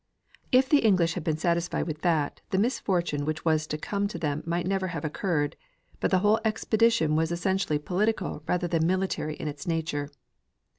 If the English had been satisfied with that, the misfortune which was to come to them might never have occurred, but the whole expedition was essentially political rather than military in its nature.